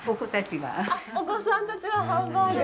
お子さんたちはハンバーグ。